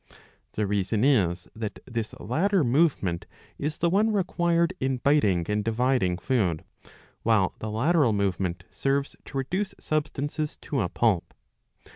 The reason is that this latter movement is the one required in biting and dividing food, while the lateral movement serves to reduce substances to a pulp.